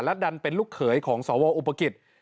ดันเป็นลูกเขยของสวอุปกิจ